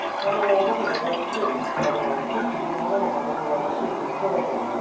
まさに円安で入ってくるものの価格が上がって物価高になる。